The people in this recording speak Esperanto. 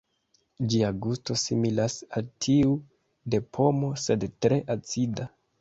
Ĝia gusto similas al tiu de pomo, sed tre acida.